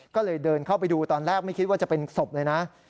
ก็เลยเดินเข้าไปดูตอนแรกไม่คิดว่าจะเป็นศพเลยนะ